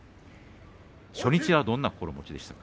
初日はどんな心持ちでしたか。